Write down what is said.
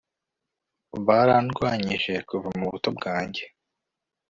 barandwanyije kuva mu buto bwanjye